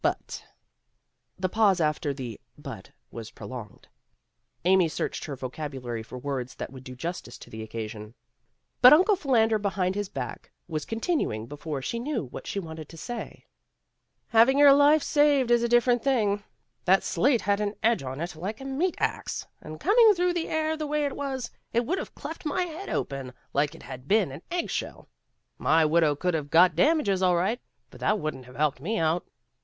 But " The pause after the "but" was prolonged. Amy searched her vocabulary for words that would do justice to the occasion, but Uncle Phil "' A HUNDRED DOLLARS AIN'T ANY TOO MUCH TO PAY FOR HAVING YOUR LIFE SAVED THE LONGEST WEEK ON RECORD 127 ander Behind His Back was continuing before she knew what she wanted to say. " Having your life saved is a different thing. That slate had an edge on it like a meat ax, and coming through the air the way it was, it would have cleft my head open like it had been an egg shell. My widow could have got damages all right, but that wouldn't have helped me out."